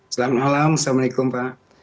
selamat malam assalamualaikum pak